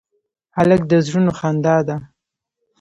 هلک د زړونو خندا ده.